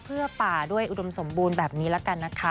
เพื่อป่าด้วยอุดมสมบูรณ์แบบนี้ละกันนะคะ